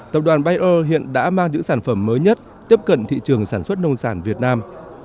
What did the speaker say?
tập đoàn bayer hiện đã mang những sản phẩm mới nhất tiếp cận thị trường sản xuất nông sản việt nam